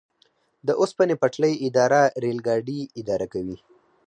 د اوسپنې پټلۍ اداره ریل ګاډي اداره کوي